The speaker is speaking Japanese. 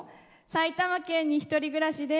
埼玉県に１人暮らしで。